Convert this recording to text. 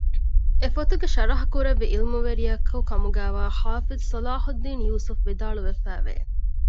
އެ ފޮތުގެ ޝަރަޙަކުރެއްވި ޢިލްމުވެރިޔަކުކަމުގައިވާ ޙާފިޡު ޞަލާޙުއްދީނު ޔޫސުފު ވިދާޅުވެފައިވެ